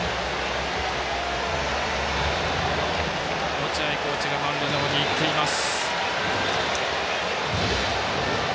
落合コーチがマウンド上に行っています。